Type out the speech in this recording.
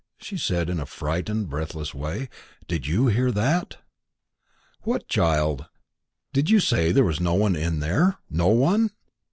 she said, in a frightened, breathless way; "did you hear that?" "What, child?" "Did you say there was no one in there no one?"